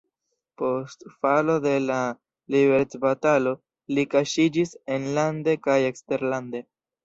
Post falo de la liberecbatalo li kaŝiĝis enlande kaj eksterlande.